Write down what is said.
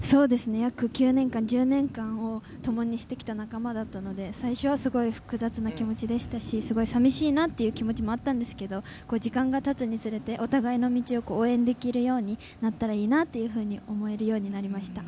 約１０年間をともにしてきた仲間だったので、最初はすごく複雑な気持ちだったしさみしいなという気持ちでしたが時間がたつにつれてお互いの道を応援できるようになったらいいなと思えるようになりました。